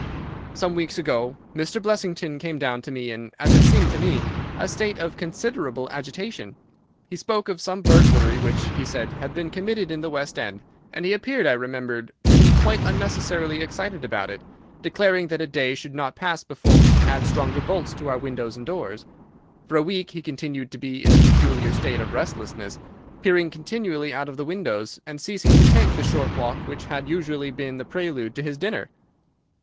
"Some weeks ago Mr. Blessington came down to me in, as it seemed to me, a state of considerable agitation. He spoke of some burglary which, he said, had been committed in the West End, and he appeared, I remember, to be quite unnecessarily excited about it, declaring that a day should not pass before we should add stronger bolts to our windows and doors. For a week he continued to be in a peculiar state of restlessness, peering continually out of the windows, and ceasing to take the short walk which had usually been the prelude to his dinner.